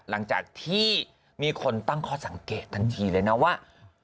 หลังจากที่มีคนตั้งข้อสังเกตทันทีเลยนะว่า